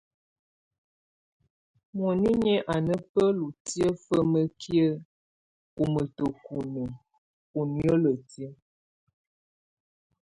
Muinǝ́niǝ́ á ná bǝ́lutiǝ́ fǝ́mǝ́kiǝ́ ú mǝ́tǝ́kunǝ́ ú niǝ́lǝ́ti.